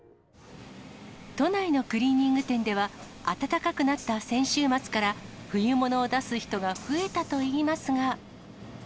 都内のクリーニング店では、暖かくなった先週末から、冬物を出す人が増えたといいますが。